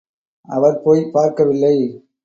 அவர் போய்ப் பார்க்கவில்லை.